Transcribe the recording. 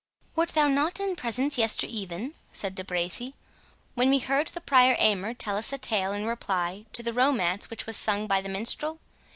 "Wert thou not in presence yester even," said De Bracy, "when we heard the Prior Aymer tell us a tale in reply to the romance which was sung by the Minstrel?